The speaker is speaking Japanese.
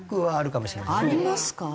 ありますか？